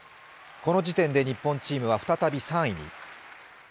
この時点で日本チームは再び３位に。